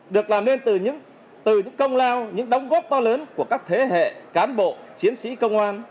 được làm nên từ những công lao những đóng góp to lớn của các thế hệ cán bộ chiến sĩ công an